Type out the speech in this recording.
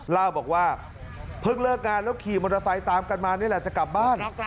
เล่าบอกว่าเพิ่งเลิกงานแล้วขี่มอเตอร์ไซค์ตามกันมานี่แหละจะกลับบ้าน